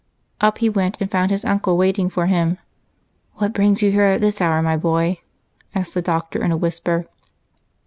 Up he went, and found his uncle waiting for him. "What brings you here, at this hour, my boy?" asked the Doctor in a whisper.